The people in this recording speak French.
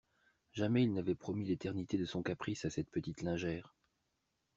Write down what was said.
Jamais il n'avait promis l'éternité de son caprice à cette petite lingère.